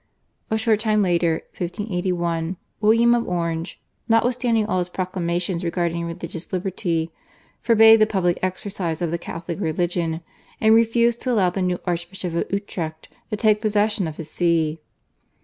A short time later (1581) William of Orange, notwithstanding all his proclamations regarding religious liberty, forbade the public exercise of the Catholic religion, and refused to allow the new Archbishop of Utrecht to take possession of his See.